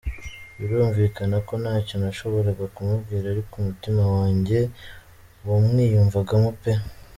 birumvikana ko ntacyo nashoboraga kumubwira ariko umutima wanjye wamwiyumvagamo pe.